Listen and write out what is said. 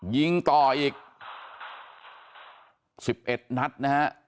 ยิงต่ออีก๑๑นัดนะฮะ